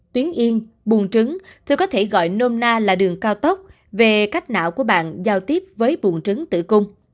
tuyến yên buồn trứng tôi có thể gọi nôm na là đường cao tốc về cách não của bạn giao tiếp với buồn trứng tử cung